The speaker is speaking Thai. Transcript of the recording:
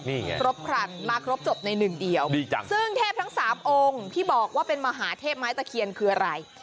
ครบครันมาครบจบใน๑เดียวซึ่งเทพทั้ง๓องค์ที่บอกว่าเป็นมหาเทพไม้ตะเคียนคืออะไร